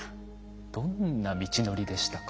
どんな道のりでしたか？